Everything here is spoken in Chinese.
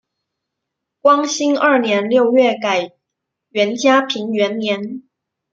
光兴二年六月改元嘉平元年。